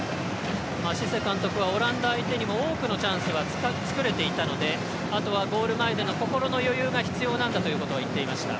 シセ監督はオランダ相手にも多くのチャンスを作れていたのであとはゴール前での心の余裕が必要なんだと言っていました。